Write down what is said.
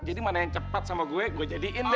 jadi mana yang cepat sama gue gue jadiin deh